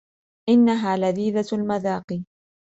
إنها لذيذة المذاق.